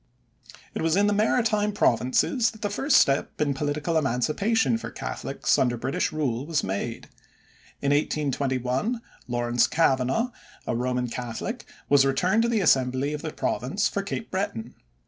It was in the Maritime Provinces that the first step in political emancipation for Catholics under British rule was made. In 1821 Lawrence Cavanaugh, a Roman Catholic, was returned to the Assembly of the Province for Cape Breton.